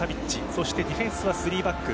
そしてディフェンスは３バック。